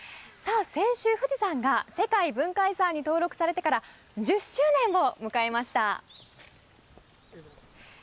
先週富士山が、世界文化遺産に登録されてから１０周年を迎えました。